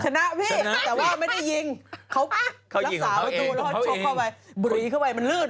ชนะพี่แต่ว่าไม่ได้ยิงเขารักษาประตูแล้วก็ชกเข้าไปบุรีเข้าไปมันลื่น